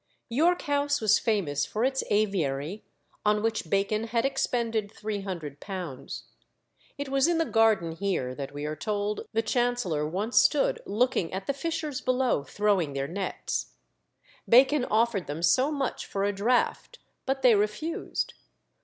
York House was famous for its aviary, on which Bacon had expended £300. It was in the garden here that we are told the Chancellor once stood looking at the fishers below throwing their nets. Bacon offered them so much for a draught, but they refused.